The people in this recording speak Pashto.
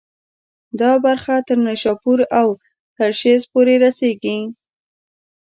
دا برخه تر نیشاپور او ترشیز پورې رسېږي.